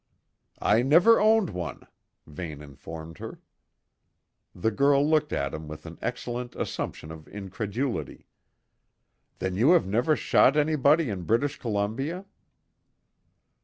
"I never owned one," Vane informed her. The girl looked at him with an excellent assumption of incredulity. "Then you have never shot anybody in British Columbia?"